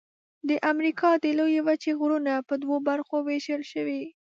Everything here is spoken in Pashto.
د امریکا د لویې وچې غرونه په دوو برخو ویشل شوي.